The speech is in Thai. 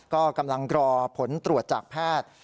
ก็กำลังรอผลตรวจจากแพทย์